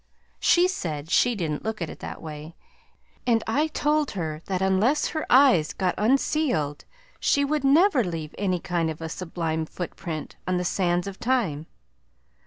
She said she didn't look at it that way, and I told her that unless her eyes got unscealed she would never leave any kind of a sublime footprint on the sands of time.